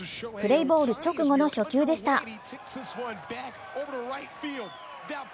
プレーボール直後の初球でした。